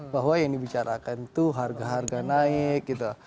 bahwa yang dibicarakan itu harga harga naik gitu